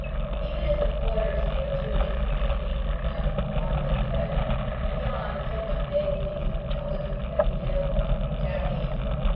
Even his employers failed to elicit anything from him on this head, beyond the somewhat vague piece of intelligence that he hailed from "down east."